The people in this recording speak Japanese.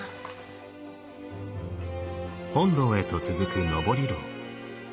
本堂へと続く登廊。